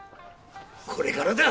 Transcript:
これからだ。